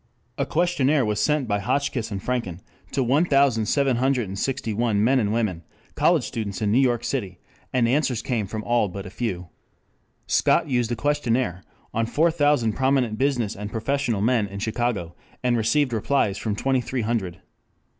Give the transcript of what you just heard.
] A questionnaire was sent by Hotchkiss and Franken to 1761 men and women college students in New York City, and answers came from all but a few. Scott used a questionnaire on four thousand prominent business and professional men in Chicago and received replies from twenty three hundred.